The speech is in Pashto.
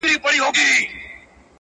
یو عطار وو یو طوطي یې وو ساتلی٫